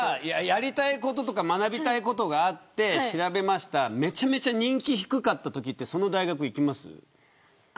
やりたいこととか学びたいこととかがあって調べました、めちゃめちゃ人気が低かったときってその大学行きますか。